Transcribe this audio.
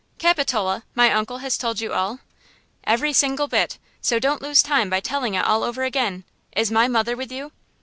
"Capitola! My uncle has told you all?" "Every single bit! So don't lose time by telling it all over again! Is my mother with you?"